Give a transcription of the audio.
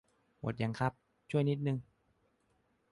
หมดยังครับ ช่วยนิดนึง